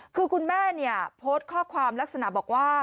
คือคุณแม่โพสต์ข้อความลักษณะบอกว่า